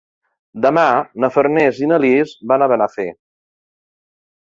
Demà na Farners i na Lis van a Benafer.